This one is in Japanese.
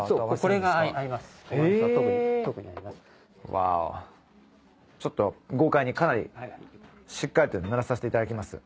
ワオちょっと豪快にかなりしっかりと塗らさせていただきます。